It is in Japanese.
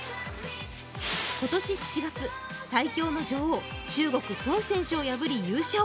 今年７月、最強の女王・中国・孫選手を破り優勝。